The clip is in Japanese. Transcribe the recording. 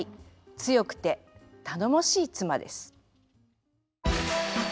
強くて頼もしい妻です。